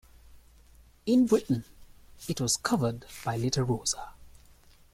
In Britain, it was covered by Lita Roza.